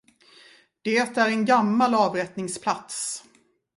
Det är en gammal avrättningsplats.